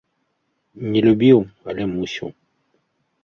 Не любіў, але мусіў.